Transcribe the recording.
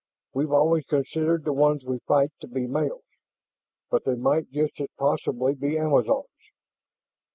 We've always considered the ones we fight to be males, but they might just as possibly be amazons.